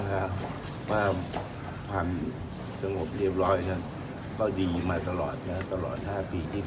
ถ้าตั้งรัฐบาลและก็มีการทางงานของรัฐบาลใหม่